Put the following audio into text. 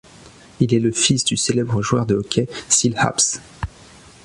Il est le fils du célèbre joueur de hockey Syl Apps.